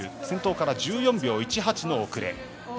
先頭から１４秒１８の遅れ。